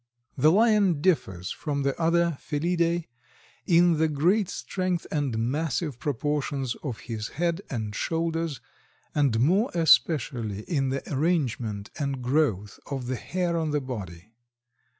The Lion differs from the other Felidæ in the great strength and massive proportions of his head and shoulders, and more especially in the arrangement and growth of the hair on the body.